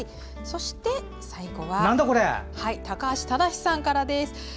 そして最後は高橋正さんからです。